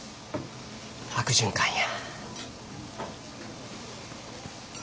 悪循環や。